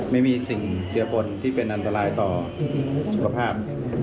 ไม่มีสิ่งเจือปนที่เป็นอันตรายต่อสุขภาพ